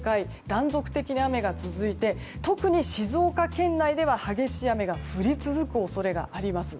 断続的に雨が続いて特に静岡県内では激しい雨が降り続く恐れがあります。